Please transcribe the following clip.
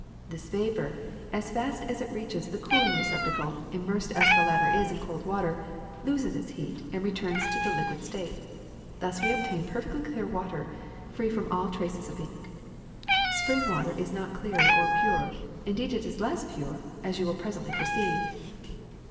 This vapor, as fast as it reaches the cooling recepta cle, immersed as the latter is in cold water, loses its heat and returns to the liquid state. Thus we obtain perfectly clear water, free from all traces of ink. Spring water is not clearer or purer; indeed, it is less pure, as you will presently perceive.''